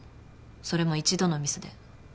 それも一度のミスで。